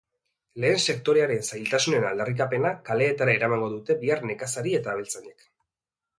Lehen sektorearen zailtasunen aldarrikapena kaleetara eramango dute bihar nekazari eta abeltzainek.